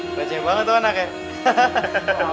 kelecehan banget tuh anaknya